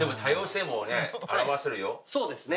そうですね。